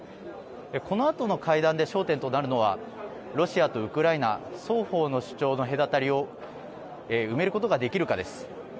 このあとの会談で焦点となるのは、ロシアとウクライナ双方の主張の隔たりを埋めることができるかです。